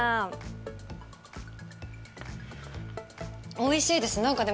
おいしいです。